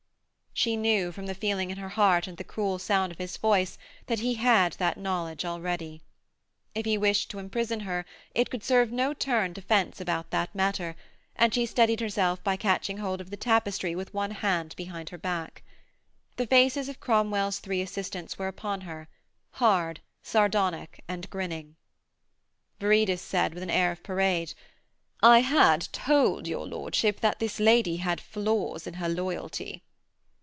She knew, from the feeling in her heart and the cruel sound of his voice that he had that knowledge already. If he wished to imprison her it could serve no turn to fence about that matter, and she steadied herself by catching hold of the tapestry with one hand behind her back. The faces of Cromwell's three assistants were upon her, hard, sardonic and grinning. Viridus said, with an air of parade: 'I had told your lordship this lady had flaws in her loyalty.'